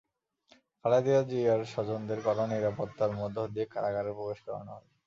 খালেদা জিয়ার স্বজনদের কড়া নিরাপত্তার মধ্য দিয়ে কারাগারে প্রবেশ করানো হয়।